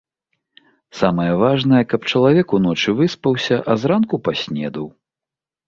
Самае важнае, каб чалавек уночы выспаўся, а зранку паснедаў.